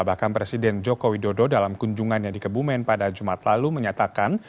bahkan presiden joko widodo dalam kunjungannya di kebumen pada jumat lalu menyatakan